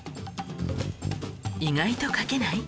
意外と書けない？